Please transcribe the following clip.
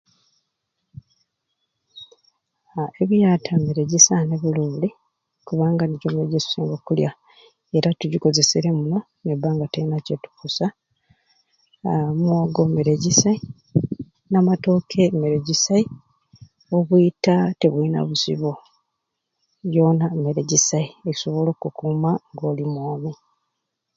Aaa biyata mmere gyisai ani e Buruuli kubanga nigyo gyensinga okulya era tugikozeserye muno nga tayina kyetukosa aaa omwogo mmere gyisai n'amatooke mmere gyisai obwita teayina buzibu yona mmere gyisai esobolaokukuma nga oli mwomi